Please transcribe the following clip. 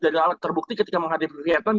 dari lalat terbukti ketika menghadapi vietnames